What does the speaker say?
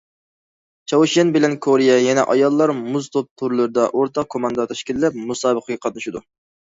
چاۋشيەن بىلەن كورېيە يەنە ئاياللار مۇز توپ تۈرلىرىدە ئورتاق كوماندا تەشكىللەپ مۇسابىقىگە قاتنىشىدۇ.